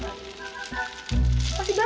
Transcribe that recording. mempuas enak enak